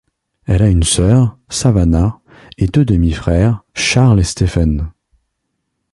Elle a une sœur, Savannah, et deux demi-frères, Charles et Stephen.